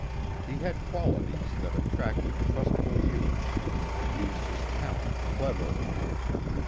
He had qualities that attracted trustful youth and used his talent cleverly.